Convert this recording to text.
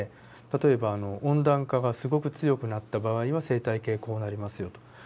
例えば温暖化がすごく強くなった場合は生態系こうなりますよと。